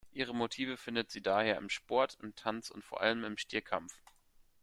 Ihre Motive findet sie daher im Sport, im Tanz und vor allem im Stierkampf.